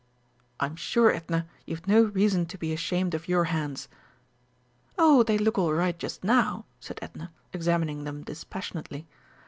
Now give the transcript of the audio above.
"I'm sure, Edna, you've no reason to be ashamed of your hands." "Oh, they look all right just now," said Edna, examining them dispassionately.